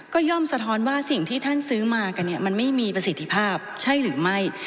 ก็ย่อมสะท้อนว่าสิ่งที่ท่านซื้อมากันเนี่ยมันไม่มีประสิทธิภาพใช่หรือไม่